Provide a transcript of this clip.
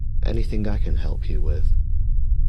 Anything I can help you with?